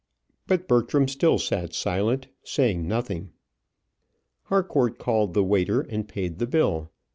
But Bertram still sat silent, saying nothing. Harcourt called the waiter, and paid the bill.